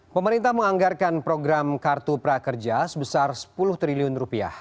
pemerintah menganggarkan program kartu prakerja sebesar sepuluh triliun rupiah